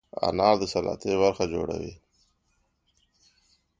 انار د سلاتې برخه جوړوي.